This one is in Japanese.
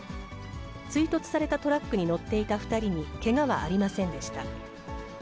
追突されたトラックに乗っていた２人にけがはありませんでした。